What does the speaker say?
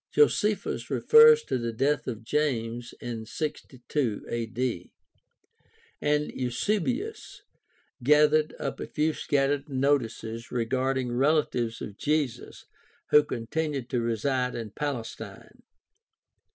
Josephus refers to the death of James in 62 a.d., and Eusebius gathered up a few scattered notices regarding relatives of Jesus who con tinued to reside in Palestine.